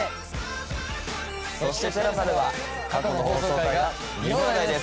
そしてＴＥＬＡＳＡでは過去の放送回が見放題です！